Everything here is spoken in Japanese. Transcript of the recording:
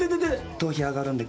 頭皮上がるんで。